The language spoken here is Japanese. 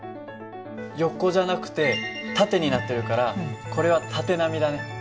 横じゃなくて縦になってるからこれは縦波だね。